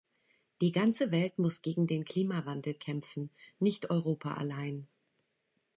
Die ganze Welt muss gegen den Klimawandel kämpfen, nicht Europa allein.